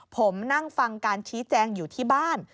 ผมนั่งฟังการชี้แจงอยู่ที่บ้าน